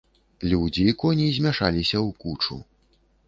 Людзі і коні змяшаліся ў кучу.